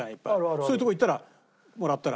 そういうとこ行ったらもらったら。